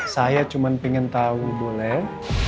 saya cuma pingin tau boleh